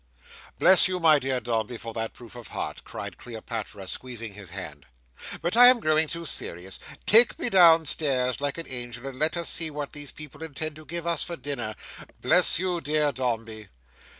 "Bless you, my dear Dombey, for that proof of heart!" cried Cleopatra, squeezing his hand. "But I am growing too serious! Take me downstairs, like an angel, and let us see what these people intend to give us for dinner. Bless you, dear Dombey!"